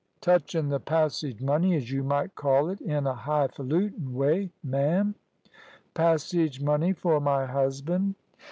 "Touchin' the passage money, as you might call it in a high falutin' way, ma'am?" "Passage money for my husband?"